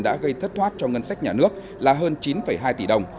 đã gây thất thoát cho ngân sách nhà nước là hơn chín hai tỷ đồng